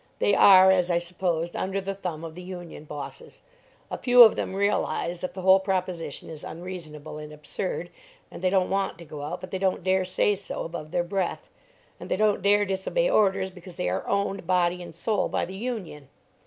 They are, as I supposed, under the thumb of the union bosses. A few of them realize that the whole proposition is unreasonable and absurd, and they don't want to go out, but they don't dare say so above their breath, and they don't dare disobey orders, because they are owned, body and soul, by the union."